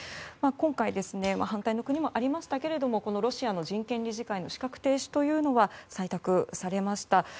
今回、反対の国もありましたがロシアの人権理事会の資格停止というのは採択されました。